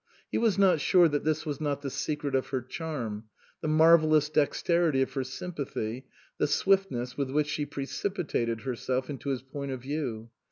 He was not sure that this was not the secret of her charm the marvellous dexterity of her sympathy, the swiftness with which she precipitated herself into his point of view.